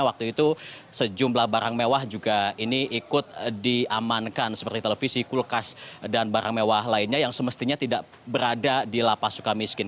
waktu itu sejumlah barang mewah juga ini ikut diamankan seperti televisi kulkas dan barang mewah lainnya yang semestinya tidak berada di lapas suka miskin